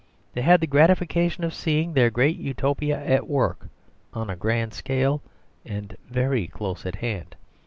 They had the gratification of seeing their great Utopia at work, on a grand scale and very close at hand.